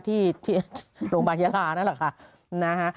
ที่โรงพยาบาลยาลานั่นแหละค่ะนะฮะ